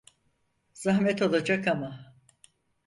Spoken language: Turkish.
Zahmet olacak ama…